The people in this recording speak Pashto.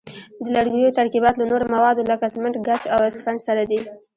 د لرګیو ترکیبات له نورو موادو لکه سمنټ، ګچ او اسفنج سره دي.